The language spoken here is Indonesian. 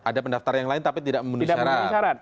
ada pendaftar yang lain tapi tidak memenuhi syarat